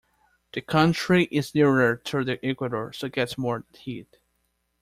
The country is nearer to the equator so gets more heat.